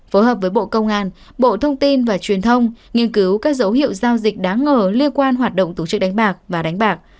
phối hợp với bộ công an bộ thông tin và truyền thông nghiên cứu các dấu hiệu giao dịch đáng ngờ liên quan hoạt động tổ chức đánh bạc và đánh bạc